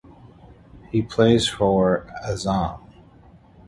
He plays for Azam.